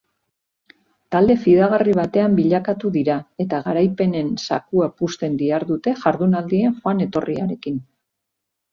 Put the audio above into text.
Talde fidagarri batean bilakatu dira eta garaipenen zakua puzten dihardute jardunaldien joan etorriarekin.